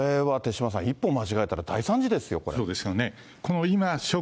これは、手嶋さん、一歩間違えたら大惨事ですよ、これ。